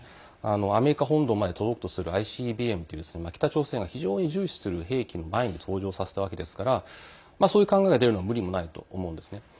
アメリカ本土まで届くとするＩＣＢＭという北朝鮮が非常に重視する兵器の前に登場させたわけですからそういう考えが出るのも無理もないと思うんですね。